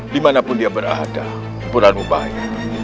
di manapun dia berada rambu ranubaya